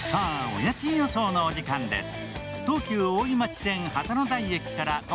お家賃予想のお時間です。